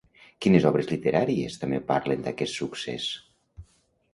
Quines obres literàries també parlen d'aquest succés?